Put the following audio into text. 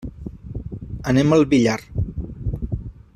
Anem al Villar.